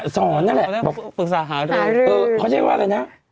นั่นแหละบอกปรึกษาหารือเขาใช่ว่าอะไรนะ